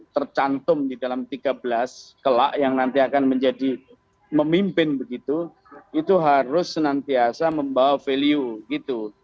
tercantum di dalam tiga belas kelak yang nanti akan menjadi memimpin begitu itu harus senantiasa membawa value gitu